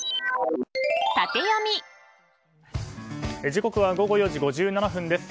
時刻は午後４時５７分です。